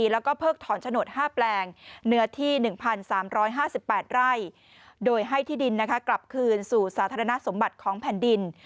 รัฐที่๑๓๕๘ไร่โดยให้ที่ดินกลับคืนสู่สาธารณสมบัติของแผ่นดิน